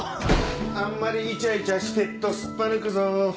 あんまりイチャイチャしてっとすっぱ抜くぞ。